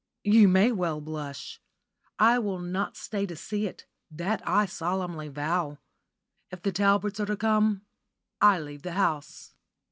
You may well blush. I will not stay to see it, that I solemnly vow. If the Talbots are to come, I leave the house."